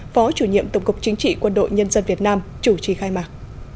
phó chủ nhiệm tổng cục chính trị quân đội nhân dân việt nam chủ trì khai mạc